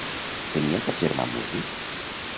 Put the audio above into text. Tenia cap germà músic?